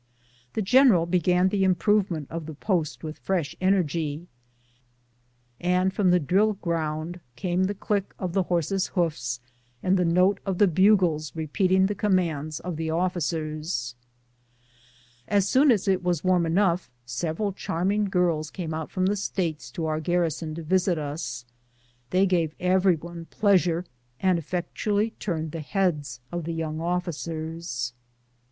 The general began the im provement of the post with fresh energy, and from the drill ground came the click of the horses' hoofs and the note of the bugles repeating the commands of the officers. As soon as it was warm enough, several charm ing girls came out from the States to our garrison to visit us. They gave every one pleasure, and effectually turned the heads of the young officers.